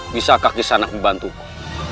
bisa kakis anak membantuku